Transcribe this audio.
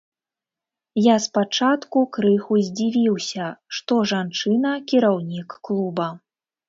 Я спачатку крыху здзівіўся, што жанчына кіраўнік клуба.